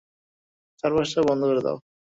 চারপাশটা বন্ধ করে দাও।